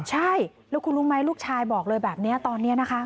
ใช่แล้วคุณรู้ไหมลูกชายบอกเลยแบบนี้ตอนนี้นะคะ